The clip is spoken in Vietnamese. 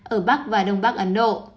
ở bắc và đông bắc ấn độ